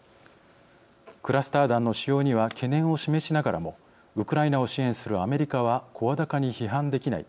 クラスター弾の使用には懸念を示しながらもウクライナを支援するアメリカは声高に批判できない